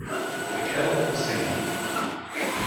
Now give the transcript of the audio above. The kettle was singing.